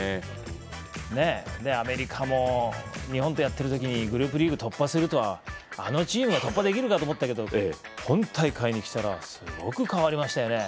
アメリカも日本とやっている時グループリーグを突破するとはあのチームが突破できるかと思ったけども今大会に来たらすごく変わりましたよね。